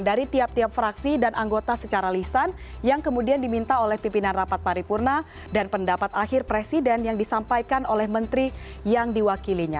dari tiap tiap fraksi dan anggota secara lisan yang kemudian diminta oleh pimpinan rapat paripurna dan pendapat akhir presiden yang disampaikan oleh menteri yang diwakilinya